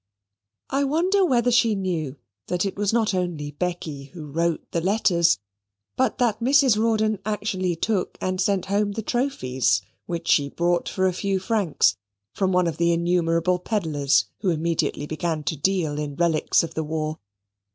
I wonder whether she knew that it was not only Becky who wrote the letters, but that Mrs. Rawdon actually took and sent home the trophies which she bought for a few francs, from one of the innumerable pedlars who immediately began to deal in relics of the war.